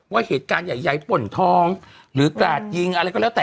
ว่าเหตุการณ์ใหญ่ป่นทองหรือกราดยิงอะไรก็แล้วแต่